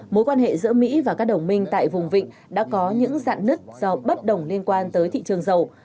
mối quan hệ giữa mỹ và các đồng minh tại vùng vịnh đã có những dạ nứt do bất đồng liên quan tới thị trường dầu